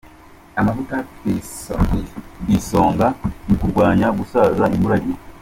Amavuta ku isonga mu kurwanya gusaza imburagihe